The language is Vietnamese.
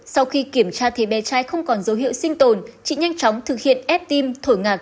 sau khi kiểm tra thì bé trai không còn dấu hiệu sinh tồn chị nhanh chóng thực hiện ép tim thổi ngạc